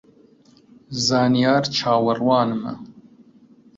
زانیار چاوەڕوانمە